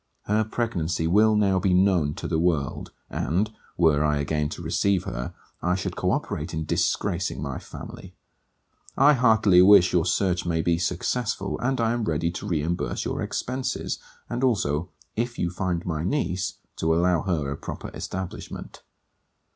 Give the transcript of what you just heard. Her pregnancy will now be known to the world; and, were I again to receive her, I should co operate in disgracing my family. I heartily wish your search may be successful; and I am ready to reimburse your expences; and also, if you find my niece, to allow her a proper establishment.